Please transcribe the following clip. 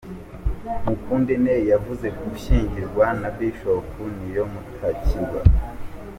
Mukundente yavuze ku gushyingiranwa na Bishop Niyomutakirwa.